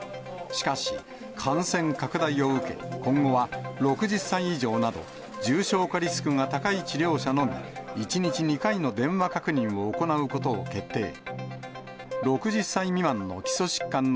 しかし、感染拡大を受け、今後は６０歳以上など、重症化リスクが高い治療者のみ、１日２回の電話確認を行うことを決定。